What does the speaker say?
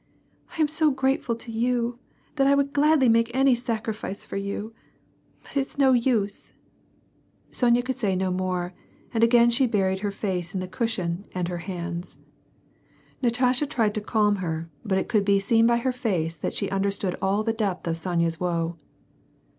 — I am so grateful to you, that L would gla^lly make any sacrifice for you, — but it's ho use "— Sonya could say no more, and again she buried her face in the cushion and her hands. Natasha tried to calm her, but it could be seen by her face that she understood all the dej)th of Sonya's woe.